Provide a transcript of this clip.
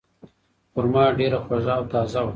خورما ډیره خوږه او تازه وه.